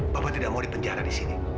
bapak tidak mau dipenjara di sini